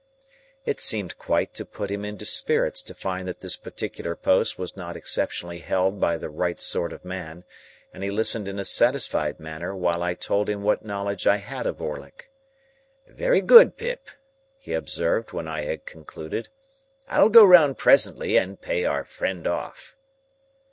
It seemed quite to put him into spirits to find that this particular post was not exceptionally held by the right sort of man, and he listened in a satisfied manner while I told him what knowledge I had of Orlick. "Very good, Pip," he observed, when I had concluded, "I'll go round presently, and pay our friend off."